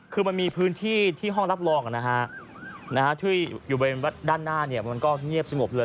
คือมันมีพื้นที่ที่ห้องรับรองที่อยู่บนด้านหน้ามันก็เงียบสงบเลย